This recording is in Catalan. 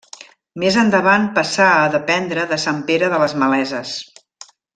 Més endavant passà a dependre de Sant Pere de les Maleses.